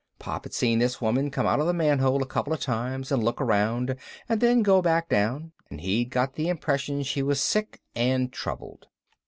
Pop had seen this woman come out of the manhole a couple of times and look around and then go back down and he'd got the impression she was sick and troubled.